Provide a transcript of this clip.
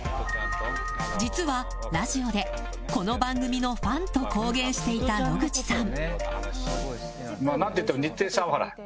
実は、ラジオでこの番組のファンと公言していた野口さん。